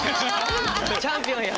チャンピオンや。